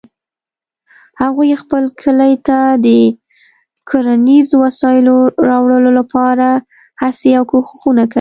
هغوی خپل کلي ته د کرنیزو وسایلو راوړلو لپاره هڅې او کوښښونه کوي